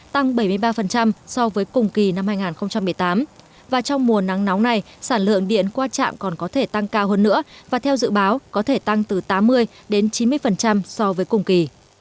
tăng bảy mươi ba so với cùng kỳ năm hai nghìn một mươi tám và trong mùa nắng nóng này sản lượng điện qua trạm còn có thể tăng cao hơn nữa và theo dự báo có thể tăng từ tám mươi đến chín mươi so với cùng kỳ